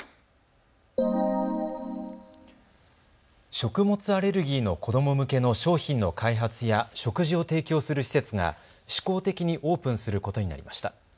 食物アレルギーの子ども向けの商品の開発や食事を提供する施設が試行的にオープンすることになりました。